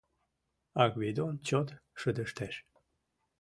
А Гвидон чот шыдештеш